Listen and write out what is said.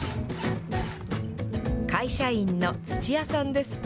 会社員の土屋さんです。